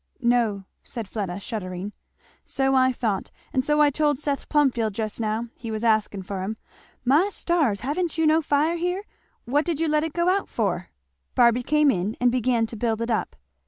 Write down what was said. "No," said Fleda shuddering. "So I thought, and so I told Seth Plumfield just now he was asking for him My stars! ha'n't you no fire here? what did you let it go out for?" Barby came in and began to build it up.